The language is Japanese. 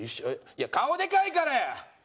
いや顔でかいからや！